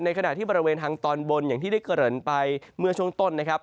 ขณะที่บริเวณทางตอนบนอย่างที่ได้เกริ่นไปเมื่อช่วงต้นนะครับ